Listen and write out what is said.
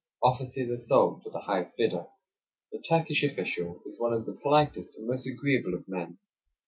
Offices are sold to the highest bidder. The Turkish official is one of the politest and most agreeable of men.